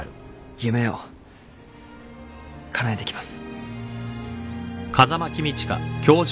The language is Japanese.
夢をかなえてきます。